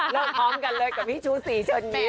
เลิกพร้อมกันเลยกับพี่ชู้สี่เฉินนิด